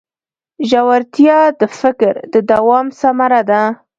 ژورتیا د فکر د دوام ثمره ده.